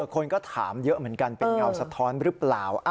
คนก็ถามเยอะเหมือนกันเป็นเงาสะท้อนหรือเปล่า